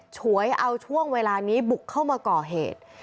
ฉวยเอาช่วงเวลานี้บุกเข้ามาก่อเหตุ